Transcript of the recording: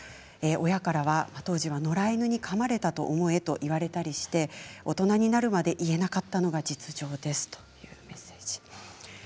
親からは当時は野良犬にかまれたと思えと言われたりして大人になるまで言えなかったのが実情ですというメッセージです。